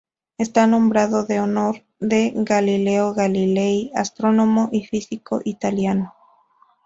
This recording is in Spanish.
Está nombrado en honor de Galileo Galilei, astrónomo y físico italiano.